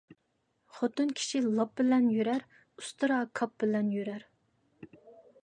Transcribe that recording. خوتۇن كىشى لاپ بىلەن يۈرەر، ئۇستىرا كاپ بىلەن يۈرەر